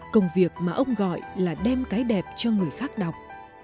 công việc mà ông gọi là đem cái đẹp cho người khác đọc